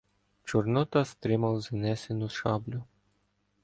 Чорнота стримав занесену шаблю.